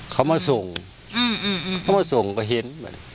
เขามาส่งเขามาส่งก็เห็น